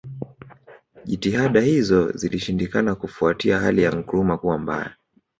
Jitihada hizo zilishindikana kufuatia hali ya Nkrumah Kuwa mbaya